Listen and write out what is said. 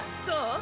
そう？